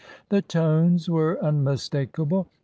The tones were unmistakable.